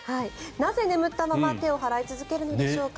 なぜ眠ったまま手を払い続けるのでしょうか。